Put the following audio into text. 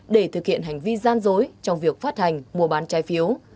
để thực hiện hành vi gian dối trong việc phát hành mùa bán trái phiếu